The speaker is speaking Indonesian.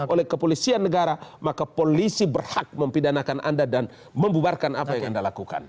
oleh kepolisian negara maka polisi berhak mempidanakan anda dan membubarkan apa yang anda lakukan